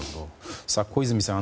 小泉さん